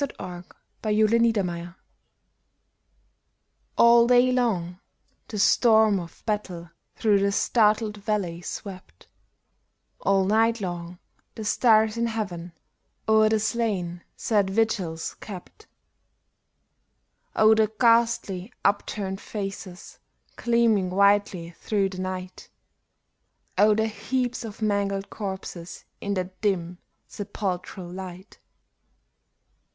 THE DRUMMER BOY'S BURIAL All day long the storm of battle through the startled valley swept ; All night long the stars in heaven o'er the slain sad vigils kept. Oh, the ghastly, upturned faces, gleaming whitely through the night ! Oh, the heaps of mangled corses in that dim, sepulchral light